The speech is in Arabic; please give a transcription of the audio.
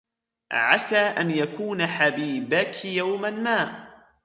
عَسَى أَنْ يَكُونَ حَبِيبَك يَوْمًا مَا